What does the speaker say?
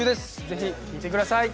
ぜひ聴いてください